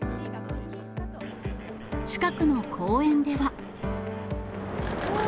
近くの公園では。